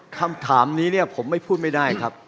คำถามนี้เนี่ยผมไม่พูดไม่ได้ครับ